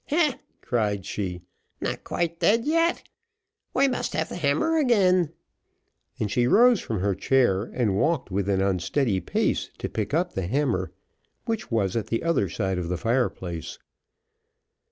"Heh'" cried she, "not quite dead yet; we must have the hammer again," and she rose from her chair, and walked with an unsteady pace to pick up the hammer, which was at the other side of the fire place.